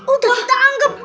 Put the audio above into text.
udah kita anggap